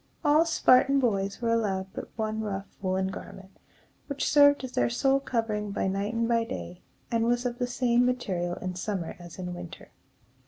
All Spartan boys were allowed but one rough woolen garment, which served as their sole covering by night and by day, and was of the same material in summer as in winter.